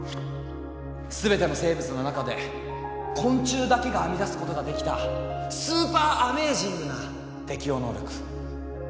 全ての生物の中で昆虫だけが編み出すことができたスーパーアメージングな適応能力。